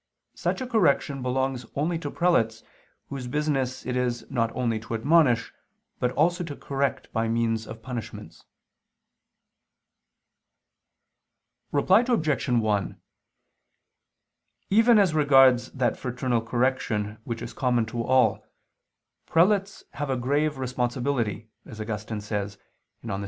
Such a correction belongs only to prelates, whose business it is not only to admonish, but also to correct by means of punishments. Reply Obj. 1: Even as regards that fraternal correction which is common to all, prelates have a grave responsibility, as Augustine says (De Civ.